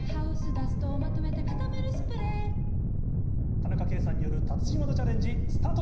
田中圭さんによる達人技チャレンジスタート！